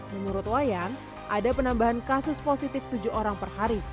menurut wayan ada penambahan kasus positif tujuh orang per hari